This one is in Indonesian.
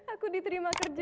aku diterima kerja